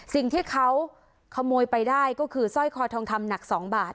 สิ่งที่เขาขโมยไปได้ก็คือสร้อยคอทองคำหนัก๒บาท